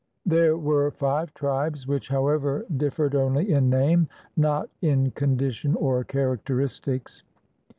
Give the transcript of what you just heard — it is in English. There were five tribes, which, however, differed only in name, — not in condition or characteristics.